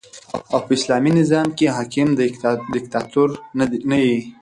او په اسلامي نظام کښي حاکم دیکتاتور نه يي.